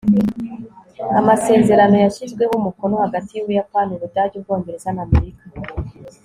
Amasezerano yashyizweho umukono hagati yUbuyapani Ubudage Ubwongereza nAmerika